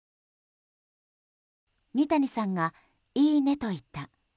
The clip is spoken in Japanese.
二谷さんが、いいねと言った。